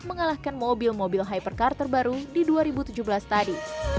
mengalahkan mobil mobil hypercar terbaru di dua ribu tujuh belas tadi